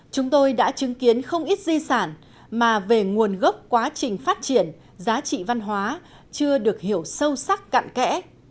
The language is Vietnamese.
chúng tôi đã chứng kiến không ít di sản mà về nguồn gốc quá trình phát triển giá trị văn hóa chưa được hiểu sâu sắc cạn kẽ